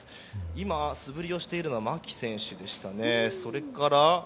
今、素振りをしているのは牧選手でしたね。